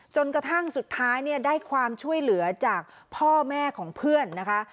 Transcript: จนกระทั่งสุดท้ายเนี่ยได้ความช่วยเหลือจากพ่อแม่ของเพื่อนนะคะ